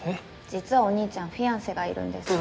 実はお兄ちゃんフィアンセがいるんです。